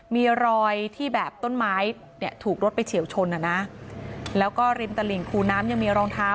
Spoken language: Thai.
มีรอยที่แบบต้นไม้เนี่ยถูกรถไปเฉียวชนอ่ะนะแล้วก็ริมตลิ่งคูน้ำยังมีรองเท้า